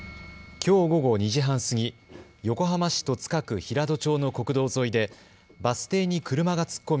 きょう午後２時半過ぎ、横浜市戸塚区平戸町の国道沿いでバス停に車が突っ込み